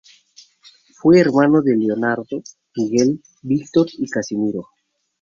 Fue hermano de Leonardo, Miguel, Víctor y Casimiro.